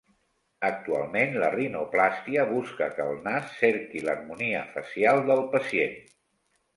Actualment la rinoplàstia busca que el nas cerqui l'harmonia facial del pacient.